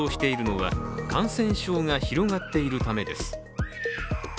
受け入れ要請が急増しているのは感染症が広がっているためです。